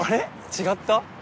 違った？